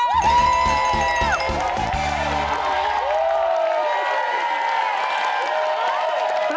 เฮ่ยถูกครับ